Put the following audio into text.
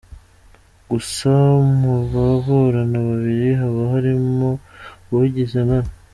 Gusa mubaburana babiri, haba harimo uwigiza nkana.